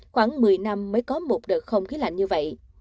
khoảng một mươi năm mới có một đợt không khí lạnh như vậy